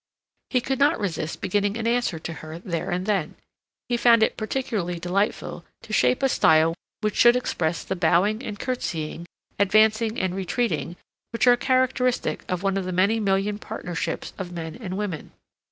He could not resist beginning an answer to her there and then. He found it particularly delightful to shape a style which should express the bowing and curtsying, advancing and retreating, which are characteristic of one of the many million partnerships of men and women.